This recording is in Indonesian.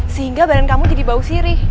sehingga badan kamu jadi bau sirih